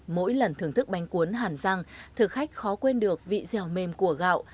mỗi lần thưởng thức bánh cuốn hàn giang thực khách khó quên được vị dẻo mềm của gạo